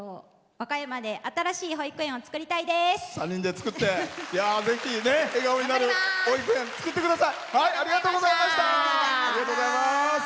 和歌山で新しい保育園を作りたいです。